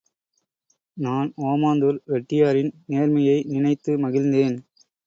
நான் ஓமந்தூர் ரெட்டியாரின் நேர்மையை நினைத்து மகிழ்ந்தேன்.